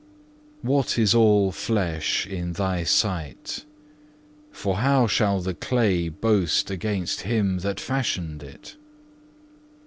4. What is all flesh in Thy sight? _For how shall the clay boast against Him that fashioned it?